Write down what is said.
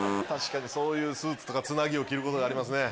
そういうスーツとかつなぎ着ることがありますね。